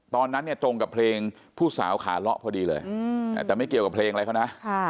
ตอนนั้นเนี่ยตรงกับเพลงผู้สาวขาเลาะพอดีเลยแต่ไม่เกี่ยวกับเพลงอะไรเขานะ